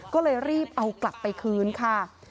ก็เลยรีบเอากลับไปคืนค่ะ